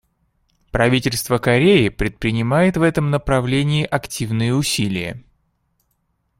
Правительство Кореи предпринимает в этом направлении активные усилия.